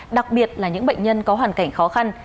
đặc biệt là những bệnh nhân có hoàn cảnh khó khăn